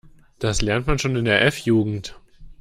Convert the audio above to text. Das lernt man schon in der F-Jugend.